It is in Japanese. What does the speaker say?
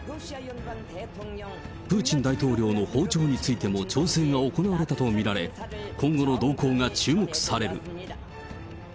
プーチン大統領の訪朝についても調整が行われたと見られ、今後の動向が注目される。